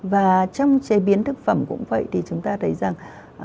và trong chế biến thực phẩm cũng vậy thì chúng ta thấy rằng